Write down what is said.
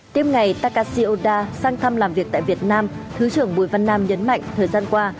tiếp ngày takashioda sang thăm làm việc tại việt nam thứ trưởng bùi văn nam nhấn mạnh thời gian qua